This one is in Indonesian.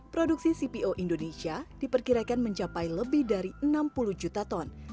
produksi cpo indonesia diperkirakan mencapai lebih dari enam puluh juta ton